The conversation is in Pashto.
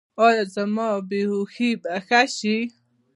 ایا زما بې هوښي به ښه شي؟